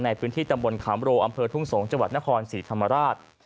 ในพื้นที่ตำบลขามโรอำเภอทุ่งสงศ์จังหวัดนครศรีธรรมราช